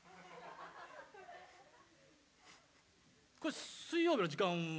これ水曜日の時間割？